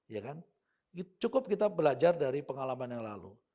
ya kan cukup kita belajar dari pengalaman yang lalu